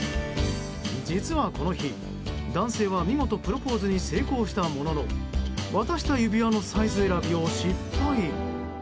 実はこの日、男性は見事プロポーズに成功したものの渡した指輪のサイズ選びを失敗。